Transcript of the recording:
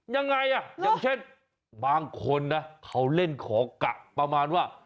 ยังไงอ่ะอย่างเช่นบางคนนะเขาเล่นขอกะประมาณว่า